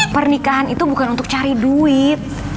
pernikahan itu bukan untuk cari duit